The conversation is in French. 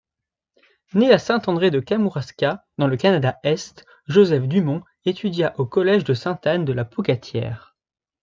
Né à Saint-André-de-Kamouraska dans le Canada-Est, Joseph Dumont étudia au Collège de Sainte-Anne-de-la-Pocatière.